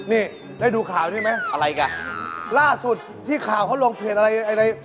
นี่ได้ดูข่าวนี่ไหมล่าสุดที่ข่าวเขาลงเผลออะไรอะไร